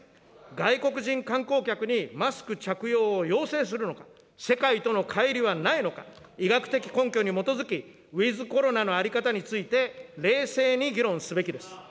外国人観光客にマスク着用を要請するのか、世界とのかい離はないのか、医学的根拠に基づき、ウィズコロナの在り方について冷静に議論すべきです。